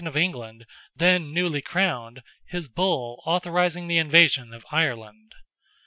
of England, then newly crowned, his Bull authorising the invasion of Ireland.